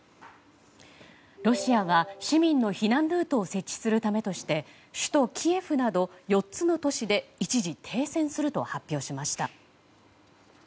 ロシアは市民の避難ルートを設置するためとして首都キエフなど４つの都市で一時停戦すると発表しました。